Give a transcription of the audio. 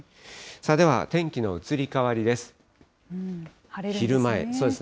では、天気の移り変わりです。